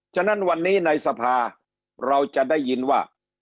ฉะนั้นวันนี้ในสภาเราจะได้ยินว่า